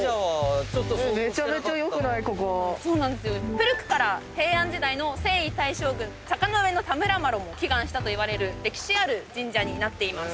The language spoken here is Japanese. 古くから平安時代の征夷大将軍坂上田村麻呂も祈願したといわれる歴史ある神社になっています。